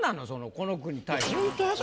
この句に対して。